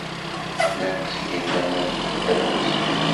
Llan ttgen laman deg Dda Lḥusin.